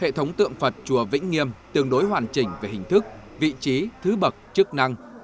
hệ thống tượng phật chùa vĩnh nghiêm tương đối hoàn chỉnh về hình thức vị trí thứ bậc chức năng